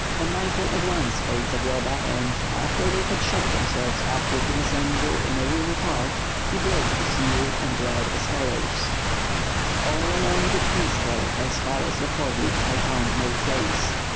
Pan Michael at once called Zagloba and, after they had shut themselves up with the messenger in a room apart, he broke the seal and read as follows: "All along the Dniester, as far as Yahorlik, I found no trace.